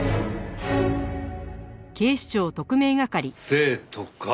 生徒か。